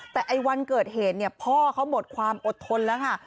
แต่ไอ้วันเกิดเหตุเนี่ยพ่อเขาหมดความอดทนแล้วค่ะ